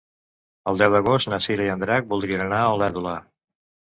El deu d'agost na Cira i en Drac voldrien anar a Olèrdola.